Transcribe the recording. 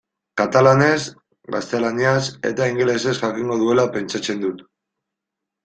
Katalanez, gaztelaniaz eta ingelesez jakingo duela pentsatzen dut.